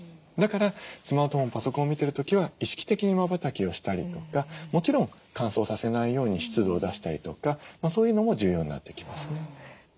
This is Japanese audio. だからスマートフォンパソコンを見てる時は意識的にまばたきをしたりとかもちろん乾燥させないように湿度を出したりとかそういうのも重要になってきますね。